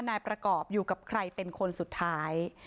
นายประกอบอยู่กับใครเป็นคนสุดท้าย